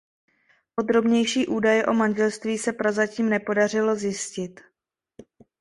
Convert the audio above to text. Podrobnější údaje o manželství se prozatím nepodařilo zjistit.